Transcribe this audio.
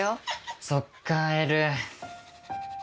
そっかエル。